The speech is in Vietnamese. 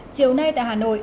chiều nay tại hà nội